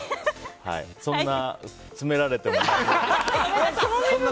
そんな詰められても。